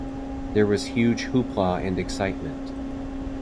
There was huge hoopla and excitement.